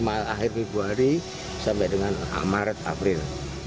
minggu hari sampai dengan maret april